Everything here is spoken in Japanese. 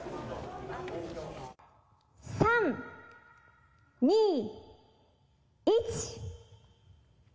３、２、１。